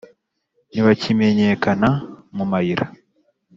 ntibakimenyekana mu mayira;